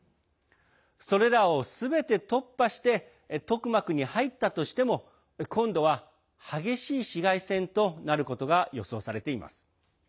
それらをすべて突破してトクマクに入ったとしても今度は激しい市街戦となることが予想されています。